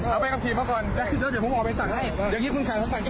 เอาไว้กับทีมกันก่อน